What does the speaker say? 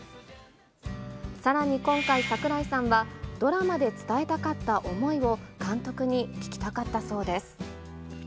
さらに今回、櫻井さんは、ドラマで伝えたかった思いを、監督に聞きたかったそうです。